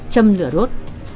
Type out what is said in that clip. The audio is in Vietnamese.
châm lửa rốt